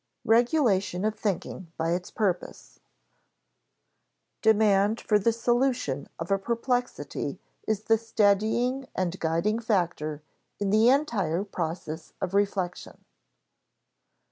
[Sidenote: Regulation of thinking by its purpose] _Demand for the solution of a perplexity is the steadying and guiding factor in the entire process of reflection.